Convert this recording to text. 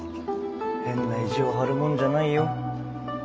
変な意地を張るもんじゃないよ。